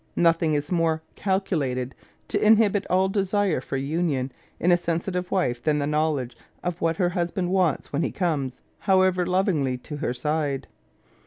Nothing is more calculated to inhibit all desire for union in a sensitive wife than the knowledge of what her husband wants when he comes, however lovingly, to her side.